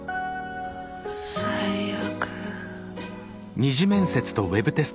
最悪。